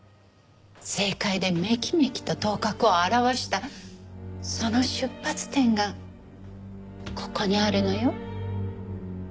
政界でめきめきと頭角を現したその出発点がここにあるのよ。